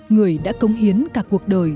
người đã cống hiến cả cuộc đời